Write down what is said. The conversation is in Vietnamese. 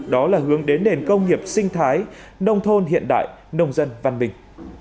đó là hướng đến nền công nghiệp sinh thái nông thôn hiện đại nông dân văn bình